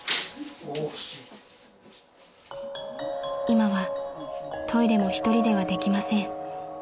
［今はトイレも一人ではできません］